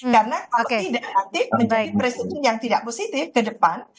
karena tidak aktif menjadi presiden yang tidak positif ke depan